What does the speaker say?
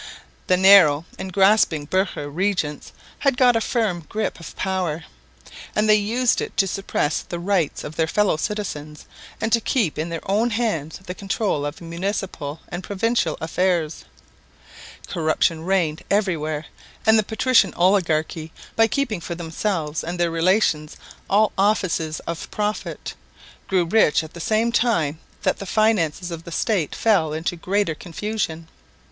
The narrow and grasping burgher regents had got a firm grip of power, and they used it to suppress the rights of their fellow citizens and to keep in their own hands the control of municipal and provincial affairs. Corruption reigned everywhere; and the patrician oligarchy, by keeping for themselves and their relations all offices of profit, grew rich at the same time that the finances of the State fell into greater confusion.